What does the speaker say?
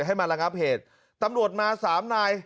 ให้มาระงับเหตุตำรวจมา๓นาย